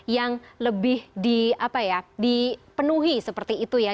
yang lebih dipenuhi seperti itu ya